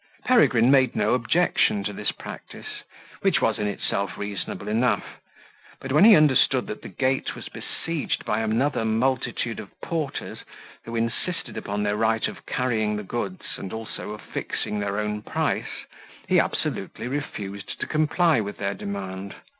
Peregrine made no objection to this practice, which was in itself reasonable enough; but when he understood that the gate was besieged by another multitude of porters, who insisted upon their right of carrying the goods, and also of fixing their own price, he absolutely refused to comply with their demand.